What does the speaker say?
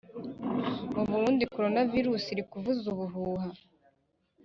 mu burundi corona virusi iri kuvuza ubuhuha